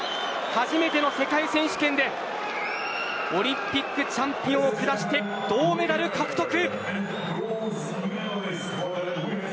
初めての世界選手権でオリンピックチャンピオンを下して銅メダル獲得。